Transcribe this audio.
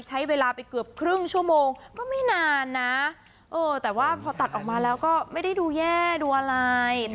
ใช้เวลาไปเกือบครึ่งชั่วโมงก็ไม่นานนะแต่ว่าพอตัดออกมาแล้วก็ไม่ได้ดูแย่ดูอะไร